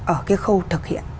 ở cái khâu thực hiện